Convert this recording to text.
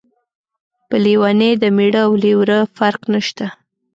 په لیونۍ د مېړه او لېوره فرق نشته.